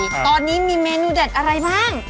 ตอนนี้มีเมนูเด็ดอะไรบ้าง